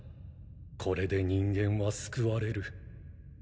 これで人間は救われる。